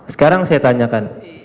sekarang saya tanyakan